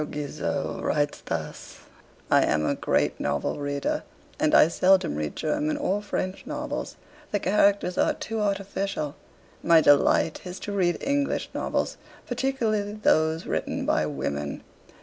Guizot writes thus: 'I am a great novel reader, but I seldom read German or French novels. The characters are too artificial. My delight is to read English novels, particularly those written by women.